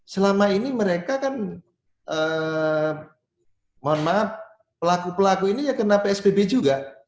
selama ini mereka kan mohon maaf pelaku pelaku ini ya kena psbb juga